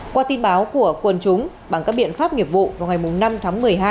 qua tin báo của quân chúng bằng các biện pháp nghiệp vụ vào ngày năm tháng một mươi hai